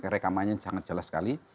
rekamannya jangan jelas sekali